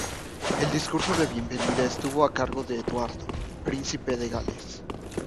El discurso de bienvenida estuvo a cargo de Eduardo, Príncipe de Gales.